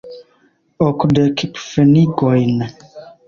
Okdek pfenigojn.